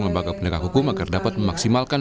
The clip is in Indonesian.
lembaga penegak hukum agar dapat memaksimalkan